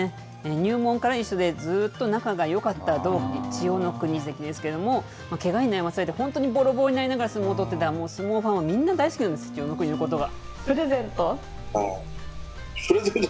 入門から一緒で、ずーっと仲がよかった同期、千代の国関ですけれども、けがに悩まされて、本当にぼろぼろになりながら相撲を取ってて、相撲ファンはみんな大好きなんです、千代の国のことが。